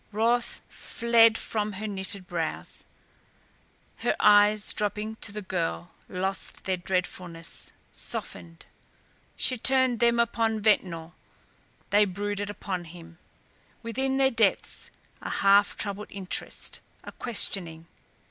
Wrath fled from her knitted brows; her eyes dropping to the girl, lost their dreadfulness; softened. She turned them upon Ventnor, they brooded upon him; within their depths a half troubled interest, a questioning.